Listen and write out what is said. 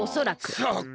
そっか。